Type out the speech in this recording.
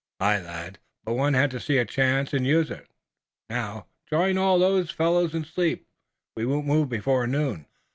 "Aye, lad, but one had to see a chance and use it. Now, join all those fellows in sleep. We won't move before noon."